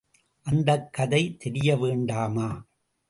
அந்தக் கதை தெரிய வேண்டாமா!